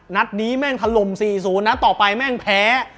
นัดนี้แม่งทะลมซีซูนนัดต่อไปแม่งแพ้